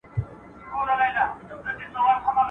طبیعي منظرې انسان حیرانوي